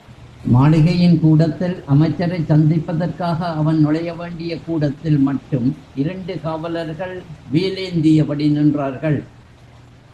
மாளிகையின் கூடத்தில் அமைச்சரைச் சந்திப்பதற்காக அவன் நுழையவேண்டிய கூடத்தில் மட்டும் இரண்டு காவலர்கள் வேலேந்தியபடி நின்றார்கள்.